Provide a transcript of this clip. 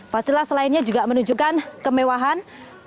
fasilitas lainnya juga menunjukkan kemewahan